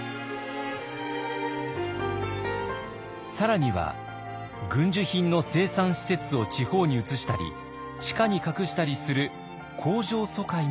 更には軍需品の生産施設を地方に移したり地下に隠したりする工場疎開も行われました。